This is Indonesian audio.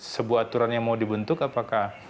sebuah aturan yang mau dibentuk apakah